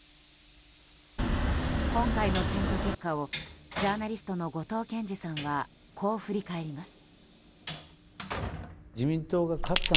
今回の選挙結果をジャーナリストの後藤謙次さんはこう振り返ります。